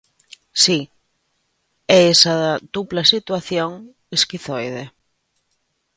Si, é esa dupla situación esquizoide.